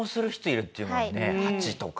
８とか。